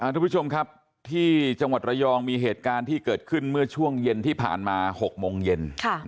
ทุกผู้ชมครับที่จังหวัดระยองมีเหตุการณ์ที่เกิดขึ้นเมื่อช่วงเย็นที่ผ่านมา๖โมงเย็น